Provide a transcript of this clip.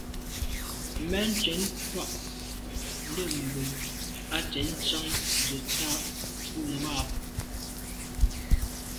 Mɛ́n cwɛ̌d krwâ' ndɛ̂mbə̄ á cwɛ̌d tsjɑ́ŋə́ zə̄ tâp bû mâp.